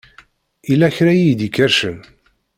Yella kra i yi-d-ikerrcen.